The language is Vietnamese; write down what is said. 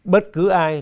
bất cứ ai